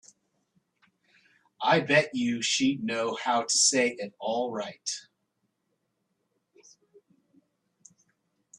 I bet you she'd know how to say it all right.